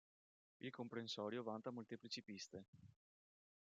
Il comprensorio vanta molteplici piste.